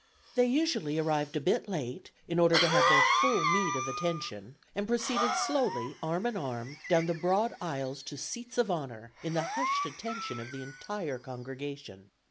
"They usually arrived a bit late, in order to have their full meed of attention; and proceeded slowly, arm in arm, down the broad aisle to seats of honor, in the hushed attention of the entire congregation.